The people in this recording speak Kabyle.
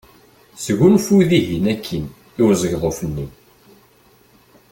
Sgunfu dihin akkin i uzegḍuf-nni.